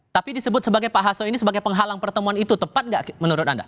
tapi disebut sebagai pak hasto ini sebagai penghalang pertemuan itu tepat nggak menurut anda